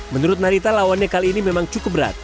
menurut narita lawannya kali ini memang cukup berat